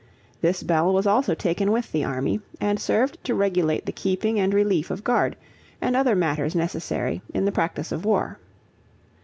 This bell was also taken with the army, and served to regulate the keeping and relief of guard, and other matters necessary in the practice of war.